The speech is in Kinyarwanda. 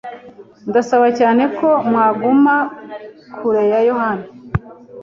Ndasaba cyane ko mwaguma kure ya Yohani.